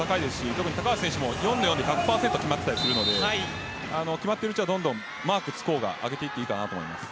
特に高橋選手も１００％決まっていたりするので決まっているうちはどんどんマークがつこうが上げていいと思います。